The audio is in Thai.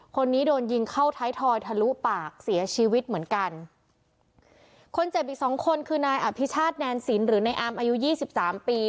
คนนี้โดนยิงเข้าท้ายทอยทะลุปากเสียชีวิตเหมือนกันคนเจ็บอีกสองคนคือนายอภิชาติแนนสินหรือในอามอายุยี่สิบสามปี